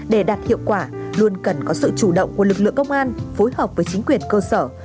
để đạt hiệu quả luôn cần có sự chủ động của lực lượng công an phối hợp với chính quyền cơ sở